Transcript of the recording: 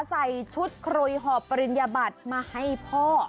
ใส่ชุดครุยหอบปริญญาบัตรมาให้พ่อ